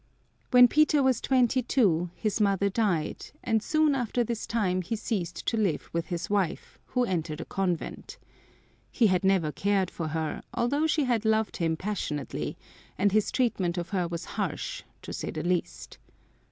When Peter was twenty two his mother died, and soon after this time he ceased to live with his wife, who entered a convent. He had never cared for her, although she had loved him passionately; and his treatment of her was harsh to say the least.